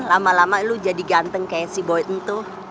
lama lama lu jadi ganteng kayak si boy tentu